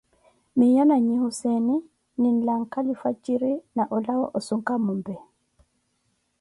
Miyo na nyi Husseene, linlakaga lifwajiri, na olawa oshuka mombe.